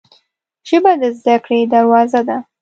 ژبه د زده کړې دروازه ده